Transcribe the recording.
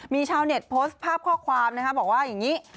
มีชาวเน็ตโพสต์ภาพข้อความนะคะบอกว่าอย่างนี้